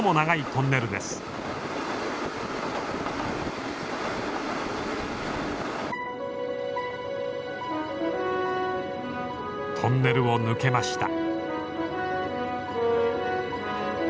トンネルを抜けました。